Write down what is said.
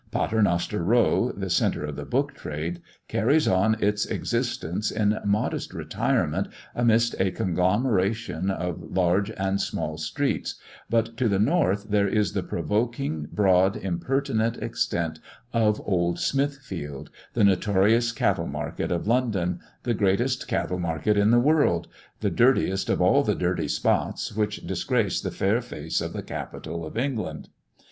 Paternoster row, the centre of the book trade, carries on its existence in modest retirement amidst a conglomeration of large and small streets, but to the north there is the provoking, broad, impertinent extent of old Smithfield, the notorious cattle market of London, the greatest cattle market in the world, the dirtiest of all the dirty spots which disgrace the fair face of the capital of England.